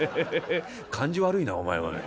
「感じ悪いなお前おい。